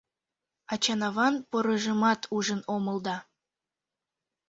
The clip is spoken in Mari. Ачан-аван порыжымат ужын омыл да